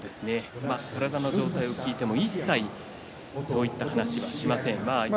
体のことを聞いても一切そういう話はしません。